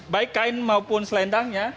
baik kain maupun selendangnya